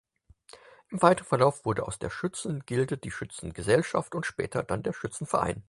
Im weiteren Verlauf wurde aus der Schützengilde die Schützengesellschaft und später dann der Schützenverein.